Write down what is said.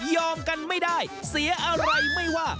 กันไม่ได้เสียอะไรไม่ว่า